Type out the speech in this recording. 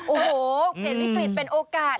โอ้โหเห็นวิกฤตเป็นโอกาส